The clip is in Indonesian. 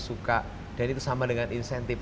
suka dan itu sama dengan insentif